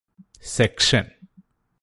സെക്ഷന്